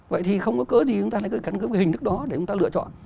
vậy thì không có cớ gì chúng ta lại cứ căn cứ về hình thức đó để chúng ta lựa chọn